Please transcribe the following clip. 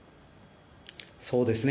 そうですね。